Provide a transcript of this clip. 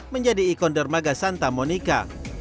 menjadi ikon dermaga santa monica